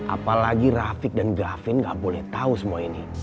apalagi rafiq dan gafin gak boleh tahu semua ini